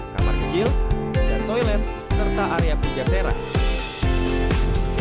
kamar kecil dan toilet serta area penjaja seram